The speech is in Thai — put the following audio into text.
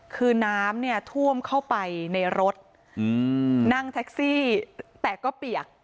คือน้ำเนี่ยท่วมเข้าไปในรถนั่งแท็กซี่แตกก็เปียก